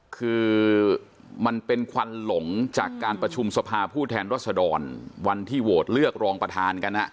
คือมันเป็นควันหลงจากการประชุมสภาผู้แทนรัศดรวันที่โหวตเลือกรองประธานกัน